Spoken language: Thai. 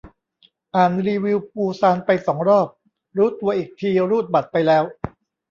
อ่านรีวิวปูซานไปสองรอบ รู้ตัวอีกทีรูดบัตรไปแล้ว